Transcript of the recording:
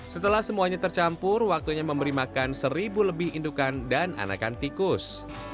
setelah semuanya tercampur waktunya memberi makan seribu lebih indukan dan anakan tikus